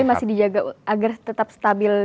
masih dijaga agar tetap stabil